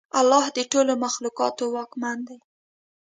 الله د ټولو مخلوقاتو واکمن دی.